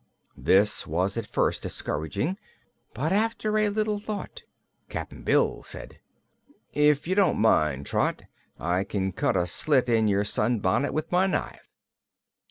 This was at first discouraging, but after a little thought Cap'n Bill said: "If you don't mind, Trot, I can cut a slit in your sunbonnet with my knife."